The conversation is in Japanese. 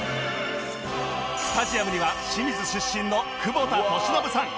スタジアムには清水出身の久保田利伸さん